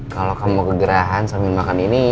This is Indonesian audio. kalau kamu kegerahan sambil makan ini